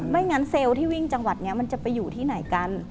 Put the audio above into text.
งั้นเซลล์ที่วิ่งจังหวัดนี้มันจะไปอยู่ที่ไหนกัน